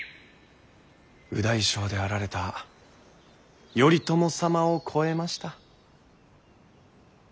右大将であられた頼朝様を超えました。